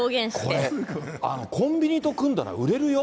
これ、コンビニと組んだら売れるよ。